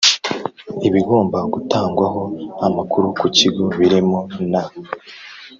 Ibigomba gutangwaho amakuru ku Kigo birimo n